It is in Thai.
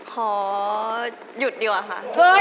ขอหยุดดีกว่าค่ะ